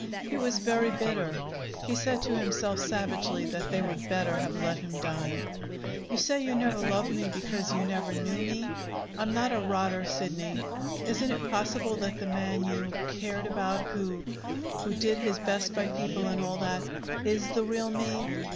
He was very bitter. He said to himself savagely that they would better have let him die. "You say you never loved me because you never knew me. I'm not a rotter, Sidney. Isn't it possible that the man you, cared about, who who did his best by people and all that is the real me?"